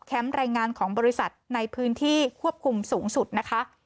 รายงานของบริษัทในพื้นที่ควบคุมสูงสุดนะคะ